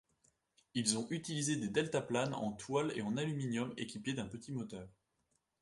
Ils ont utilisé des deltaplanes en toile et en aluminium, équipés d'un petit moteur.